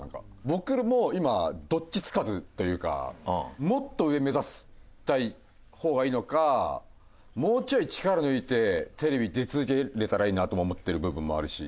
僕も今どっちつかずというかもっと上目指した方がいいのかもうちょい力抜いてテレビ出続けられたらいいなと思ってる部分もあるし。